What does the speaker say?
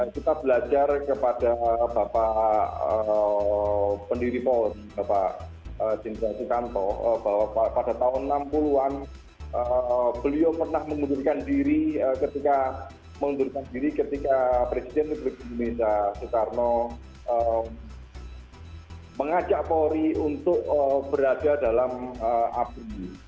kita belajar kepada bapak pendiri polri bapak jendral sukanto bahwa pada tahun enam puluh an beliau pernah mengundurkan diri ketika presiden nugri biminda soekarno mengajak polri untuk berada dalam api